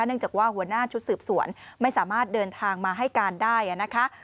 เนื่องจากว่าหัวหน้าชุดสืบสวนไม่สามารถเดินทางมาให้การได้นะคะ